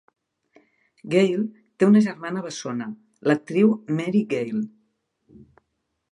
Gail té una germana bessona, l'actriu Mary Gail.